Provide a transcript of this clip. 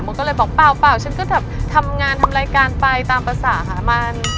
มันก็เลยบอกเปล่าฉันก็แบบทำงานทำรายการไปตามภาษาค่ะมัน